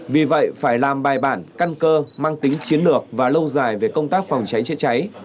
vì vậy phải làm bài bản căn cơ mang tính chiến lược và lâu dài về công tác phòng cháy chữa cháy